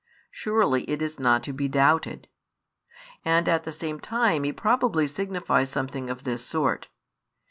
Surely it is not to be doubted. And at the same time he probably signifies something of this sort.